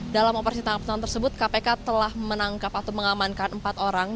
dalam operasi tangkap tangan tersebut kpk telah menangkap atau mengamankan empat orang